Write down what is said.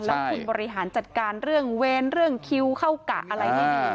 แล้วคุณบริหารจัดการเรื่องเวรเรื่องคิวเข้ากะอะไรไม่ดี